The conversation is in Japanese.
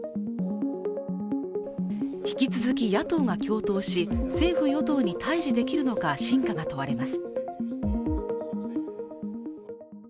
引き続き野党が共闘し、政府・与党に対峙できるのか、真価が問われます。